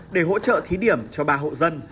để hỗ trợ thí điểm cho ba hộ dân